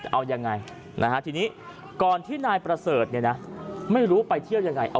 เอายังไงทีนี้ก่อนที่นายประเสริฐไม่รู้ไปเที่ยวยังไง